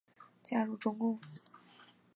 加入中共。